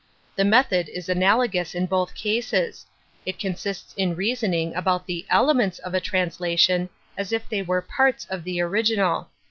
The method is analo gous in both cases; it consists in reason ing about the elements of a translation as , y if they were parts of the original.